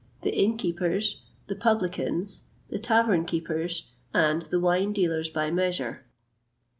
the inn keepers, the publicans, the tavern keepers, and the wine dealers by measure.